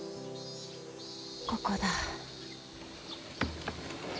ここだ。